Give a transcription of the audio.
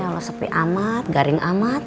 ya allah sepi amat garing amat